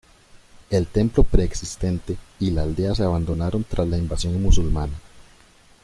El templo, preexistente, y la aldea se abandonaron tras la invasión musulmana.